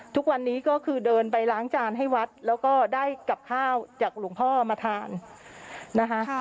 ทุกวันนี้ก็คือเดินไปล้างจานให้วัดแล้วก็ได้กับข้าวจากหลวงพ่อมาทานนะคะ